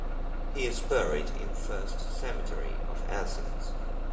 He is buried in First Cemetery of Athens.